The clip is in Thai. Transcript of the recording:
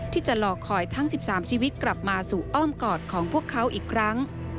ที่จะรอคอยทั้ง๑๓ชีวิตกลับมาสู่อ้อมกอดของพวกเขาอีกครั้ง